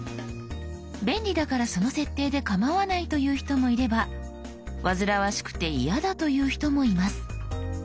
便利だからその設定で構わないという人もいれば煩わしくて嫌だという人もいます。